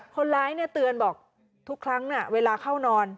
คนร้ายเตือนบอกทุกครั้งเวลาเข้านอน